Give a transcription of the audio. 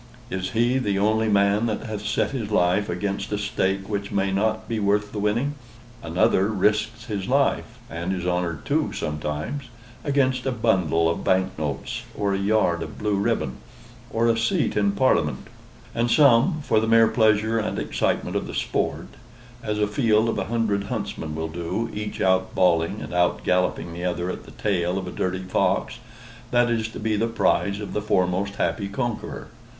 Is he the only man that hath set his life against a stake which may be not worth the winning? Another risks his life (and his honor, too, sometimes,) against a bundle of bank notes, or a yard of blue ribbon, or a seat in Parliament; and some for the mere pleasure and excitement of the sport; as a field of a hundred huntsmen will do, each out bawling and out galloping the other at the tail of a dirty fox, that is to be the prize of the foremost happy conqueror.